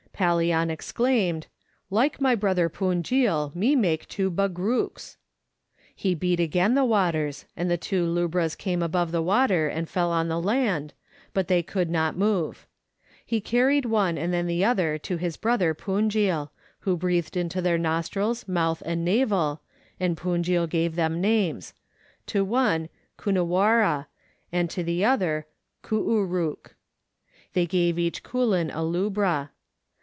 Pallian exclaimed, " like my brother Punjil, me make two Bagrooks." He beat again the waters, and the two lubras came above the water and fell on the land, but they could not move ; he carried one and then the other to his brother Punjil, who breathed into their nostrils, mouth, and navel, and Punjil gave them names to one Kunewarra, to the other Kuur rook. They gave each koolin a lubra.